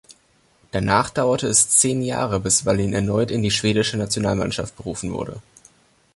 Danach dauerte es zehn Jahre bis Wallin erneut in die schwedische Nationalmannschaft berufen wurde.